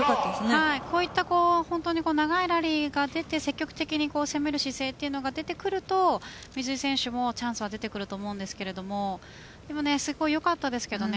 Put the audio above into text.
こういった長いラリーが出て積極的に攻める姿勢というのが出てくると水井選手もチャンスは出てくると思うんですがすごいよかったですけどね。